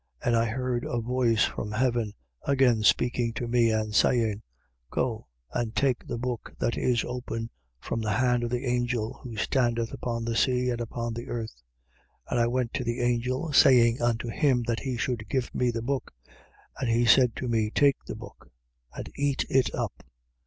And I heard a voice from heaven, again speaking to me and saying: Go and take the book that is open, from the hand of the angel who standeth upon the sea and upon the earth. 10:9. And I went to the angel, saying unto him that he should give me the book. And he said to me: Take the book and eat it up.